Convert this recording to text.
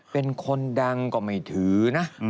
เป็นคนดังก็ไม่ถือนะ